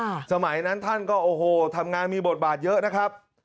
สมัยนั้นท่านก็โอ้โหทำงานมีบทบาทเยอะนะครับ